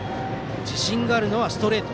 自信があるのはストレート。